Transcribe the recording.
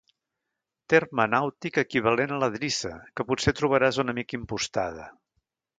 Terme nàutic equivalent a la drissa que potser trobaràs una mica impostada.